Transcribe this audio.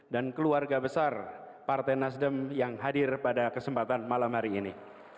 dan keluarga besar partai nasdem yang hadir pada kesempatan malam hari ini